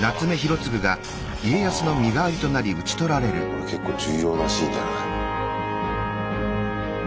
これ結構重要なシーンじゃない？